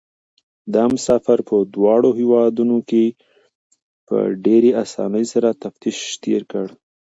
دا مسافر په دواړو هېوادونو کې په ډېرې اسانۍ سره تفتيش تېر کړ.